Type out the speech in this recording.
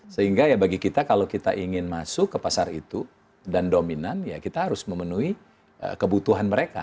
sehingga ya bagi kita kalau kita ingin masuk ke pasar itu dan dominan ya kita harus memenuhi kebutuhan mereka